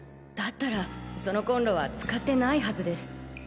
だったらそのコンロは使ってないはずです。